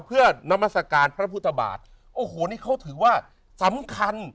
เพื่อนามัศกาลพระพุทธบาทโอ้โหนี่เขาถือว่าสำคัญ